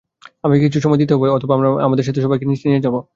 আমাকে কিছু সময় দিতে অথবা আমরা আমাদের সাথে সবাইকে নিচে নিয়ে যাব।